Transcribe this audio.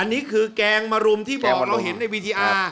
อันนี้คือแกงมรุมที่บอกเราเห็นในวีดีอาร์